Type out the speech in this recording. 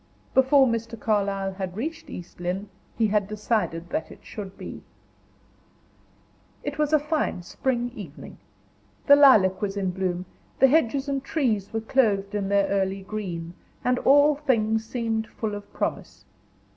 Before Mr. Carlyle had reached East Lynne, he had decided that it should be. It was a fine spring evening. The lilac was in bloom, the hedges and trees were clothed in their early green, and all things seemed full of promise.